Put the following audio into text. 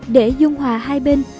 để dung hòa hai bên